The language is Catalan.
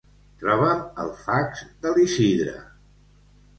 Troba'm el fax de l'Isidre.